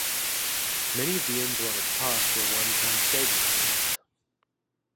Many of the inns along its path were one time staging inns.